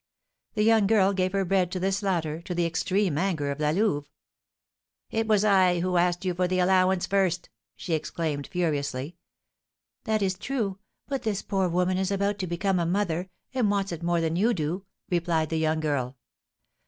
The young girl gave her bread to this latter, to the extreme anger of La Louve. 'It was I who asked you for the allowance first!' she exclaimed, furiously. 'That is true; but this poor woman is about to become a mother, and wants it more than you do,' replied the young girl.